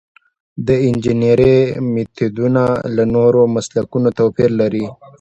د انجنیری میتودونه له نورو مسلکونو توپیر لري.